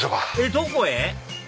どこへ⁉